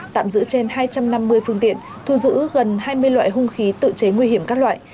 tạm giữ trên hai trăm năm mươi phương tiện thu giữ gần hai mươi loại hung khí tự chế nguy hiểm các loại